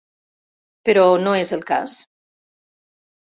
Però no és el cas.